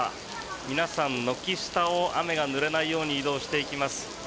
皆さん、軒下を雨にぬれないように移動していきます。